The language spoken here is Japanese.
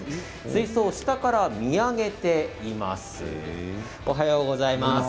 水槽を下から見上げています。